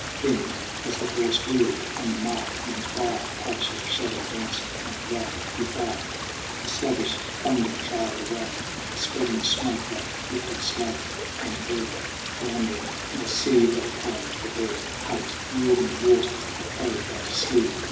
Then as the horse wheeled and the mark went by A patch of shadow dancing upon gray He fired. A sluggish thunder trailed away ; The spreading smoke rack lifted slow, and there, GRAYBEARD AND GOLDHAIR 13 Floundering in a seethe of foam, the bear Hugged yielding water for the foe that slew